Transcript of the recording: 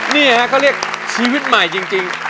นี่ฮะเขาเรียกชีวิตใหม่จริง